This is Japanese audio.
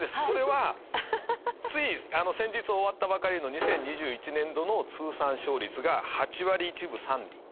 これはつい先日終わったばかりの２０２１年度の通算勝率が８割１分３厘。